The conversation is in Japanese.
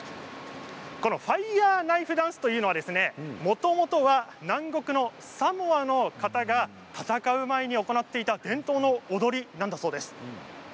ファイヤーナイフダンスというのは、もともとは南国のサモアの方が戦う前に行っていた伝統の踊りなんだそうです。